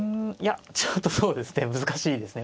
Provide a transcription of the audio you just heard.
ちょっとそうですね難しいですね。